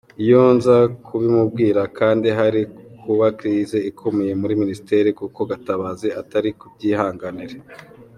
Iyo nza kubimubwira kandi hari kuba crise ikomeye muri ministère kuko Gatabazi atari kubyihanganira.